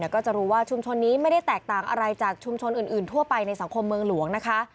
ก็จะรู้ว่าชุมชนนี้ไม่ได้แตกต่างอะไรจากชุมชนอื่นทั่วไปในสังคมเมืองหลวงนะคะ